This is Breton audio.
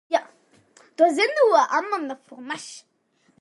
Ya, toazennoù hag amann ha formaj !